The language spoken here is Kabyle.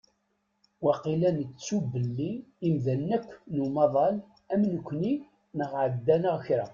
Wakil nettu belli imdanen akk n umaḍal am nekkni neɣ ɛeddan-aɣ kra.